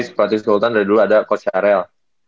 seperti sultan dari dulu ada coach yarel